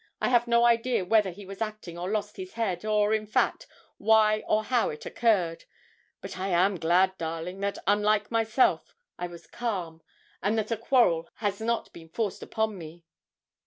I have no idea whether he was acting, or lost his head, or, in fact, why or how it occurred; but I am glad, darling, that, unlike myself, I was calm, and that a quarrel has not been forced upon me.'